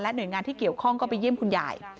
หน่วยงานที่เกี่ยวข้องก็ไปเยี่ยมคุณยาย